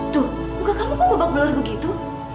tuh bukan kamu kok babak belur begitu